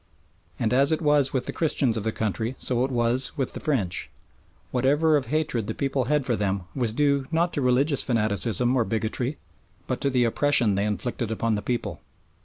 And as it was with the Christians of the country so it was with the French whatever of hatred the people had for them was due not to religious fanaticism or bigotry but to the oppression they inflicted upon the people.